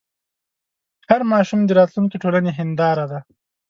هر ماشوم د راتلونکي د ټولنې هنداره ده.